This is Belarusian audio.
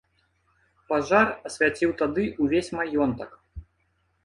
Пажар асвяціў тады ўвесь маёнтак.